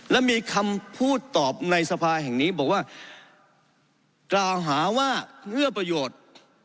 และมีคำพูดตอบในสภาแห่งนี้บอกว่ากล่าวหาว่าเอื้อประโยชน์